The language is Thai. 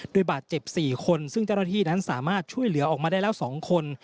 โดยบาดเจ็บ๔คนซึ่งเจ้าหน้าที่นั้นสามารถช่วยเหลือออกมาได้แล้ว๒คน